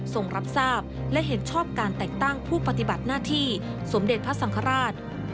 รับทราบและเห็นชอบการแต่งตั้งผู้ปฏิบัติหน้าที่สมเด็จพระสังฆราช